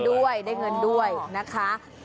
ได้เงินด้วยถูกแจ้งเหล่านั้น